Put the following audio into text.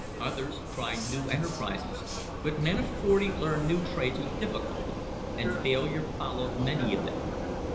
Others tried new enterprises, but men of forty learn new trades with difficulty, and failure followed many of them.